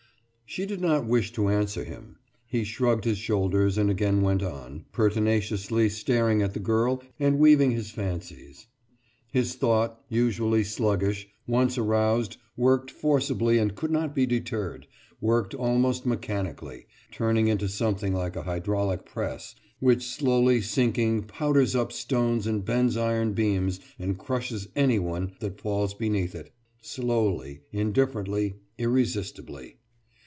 She did not wish to answer him. He shrugged his shoulders, and again went on, pertinaciously staring at the girl and weaving his fancies. His thought, usually sluggish, once aroused worked forcibly and could not be deterred worked almost mechanically, turning into something like a hydraulic press which slowly sinking powders up stones and bends iron beams and crushes anyone that falls beneath it slowly, indifferently, irresistibly.